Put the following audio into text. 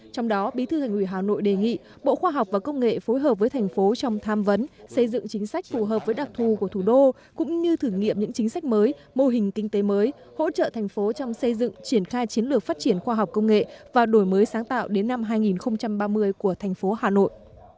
trong đó bí thư thành ủy hà nội đề nghị bộ khoa học và công nghệ phối hợp với thành phố trong tham vấn xây dựng chính sách phù hợp với đặc thù của thủ đô cũng như thử nghiệm những chính sách mới mô hình kinh tế mới hỗ trợ thành phố trong xây dựng triển khai chiến lược phát triển khoa học công nghệ và đổi mới sáng tạo đến năm hai nghìn ba mươi của thành phố hà nội